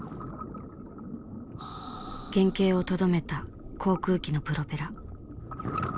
原形をとどめた航空機のプロペラ。